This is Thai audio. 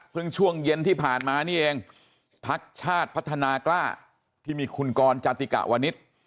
ช่วงเย็นที่ผ่านมานี่เองพักชาติพัฒนากล้าที่มีคุณกรจาติกะวนิษฐ์